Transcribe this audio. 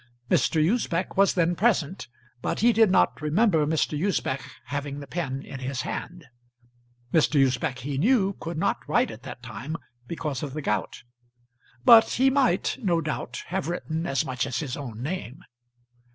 Mr. Usbech was then present; but he did not remember Mr. Usbech having the pen in his hand. Mr. Usbech, he knew, could not write at that time, because of the gout; but he might, no doubt, have written as much as his own name.